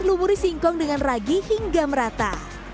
lumuri singkong dengan ragi hingga merata